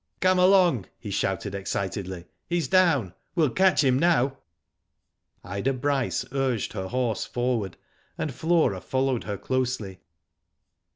Come along!" he shouted, excitedly, "he's down. We'll catch him now." Ida Bryce urged her horse forward, and Flora followed her closely.